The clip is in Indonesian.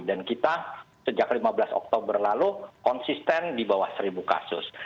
dan kita sejak lima belas oktober lalu konsisten di bawah satu kasus